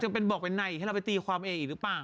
จะบอกไปในให้เราไปตีความเออีกหรือเปล่า